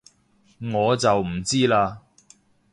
我就唔知喇